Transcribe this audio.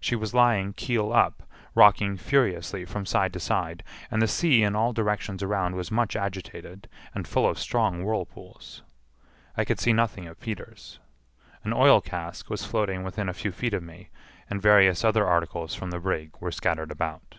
She was lying keel up, rocking furiously from side to side, and the sea in all directions around was much agitated, and full of strong whirlpools. I could see nothing of Peters. An oil cask was floating within a few feet of me, and various other articles from the brig were scattered about.